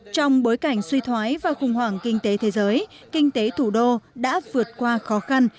trong bối cảnh suy thoái và khủng hoảng kinh tế thế giới kinh tế thủ đô đã vượt qua khó khăn